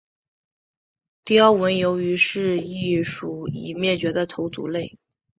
雕纹鱿鱼是一属已灭绝的头足类。